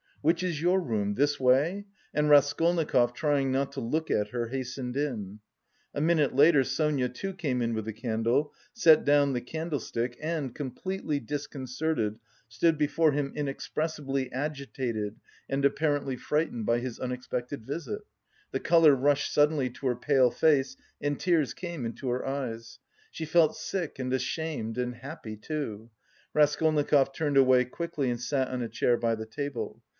"Which is your room? This way?" and Raskolnikov, trying not to look at her, hastened in. A minute later Sonia, too, came in with the candle, set down the candlestick and, completely disconcerted, stood before him inexpressibly agitated and apparently frightened by his unexpected visit. The colour rushed suddenly to her pale face and tears came into her eyes... She felt sick and ashamed and happy, too.... Raskolnikov turned away quickly and sat on a chair by the table.